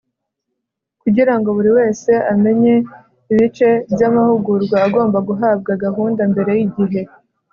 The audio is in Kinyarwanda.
Kugira ngo buri wese amenye ibice by’amahugurwa agomba guhabwa gahunda mbere y’igihe